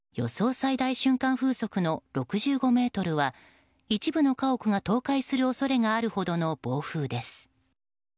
最大瞬間風速の６５メートルは一部の家屋が倒壊する恐れがあるほどの暴風です。